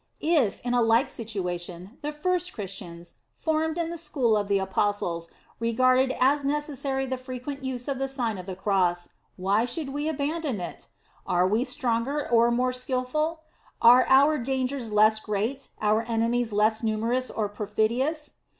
If, in a like situation, the first Christians, formed in the school of the apostles, regarded as necessary the frequent use of the Sign of the Cross, why should we abandon it? Are we stronger or more skilful ? Are our dan gers less great, our enemies less numerous or perfidious